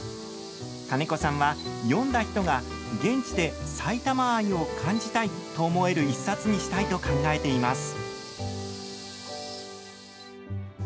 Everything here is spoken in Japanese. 金子さんは読んだ人が現地で埼玉愛を感じたいと思える１冊にしたいと考えています。